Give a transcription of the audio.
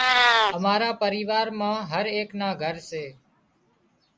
امارا پريوار مان هرايڪ نا گھر سي